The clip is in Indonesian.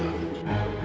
sampai ke mila